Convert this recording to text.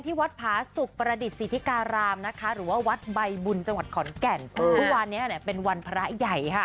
ทุกวันนี้เป็นวันพระใหญ่